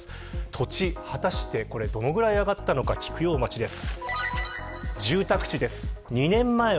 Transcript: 土地は果たしてどれくらい上がったのか、菊陽町です。